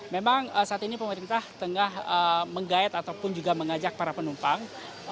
memang saat ini pemerintah tengah menggayat ataupun juga mengajak para penumpang